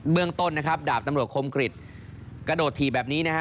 เบื้องต้นดาบนโรคคมกริจกระโดดถี่แบบนี้